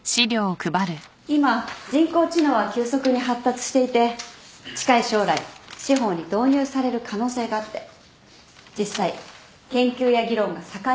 今人工知能は急速に発達していて近い将来司法に導入される可能性があって実際研究や議論が盛んに行われているの。